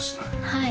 はい。